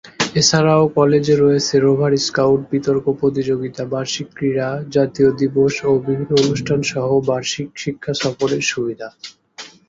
এছারাও কলেজে রয়েছে রোভার স্কাউট, বিতর্ক প্রতিযোগিতা, বার্ষিক ক্রীড়া, জাতীয় দিবস ও বিভিন্ন অনুষ্ঠান সহ বার্ষিক শিক্ষা সফরের সুবিধা।